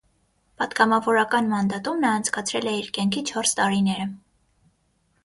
Պատգամավորական մանդատում նա անցկացրել է իր կյանքի չորս տարիները։